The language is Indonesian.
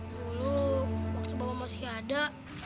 lalu waktu bapak masih ada